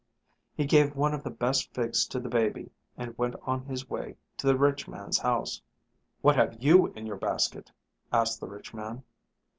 He gave one of the best figs to the baby and went on his way to the rich man's house. "What have you in your basket?" asked the rich man.